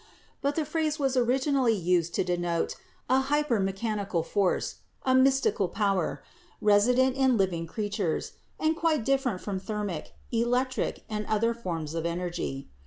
PHYSIOLOGICAL IDEA OF LIFE 23 But the phrase was originally used to denote a 'hyper mechanical force/ a mystical power, resident in living creatures, and quite different from thermic, electric, and other forms of energy.